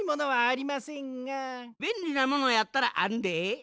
べんりなものやったらあんで。